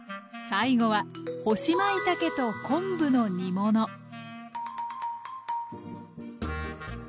最後は干しまいたけと昆布の煮物です。